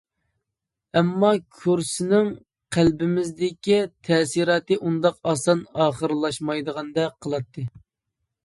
ئەمما كۇرسنىڭ قەلبىمىزدىكى تەسىراتى ئۇنداق ئاسان ئاخىرلاشمايدىغاندەك قىلاتتى.